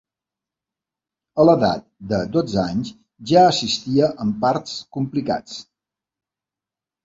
A l'edat de dotze anys, ja assistia en parts complicats.